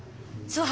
そう？